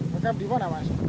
nge cam di mana mas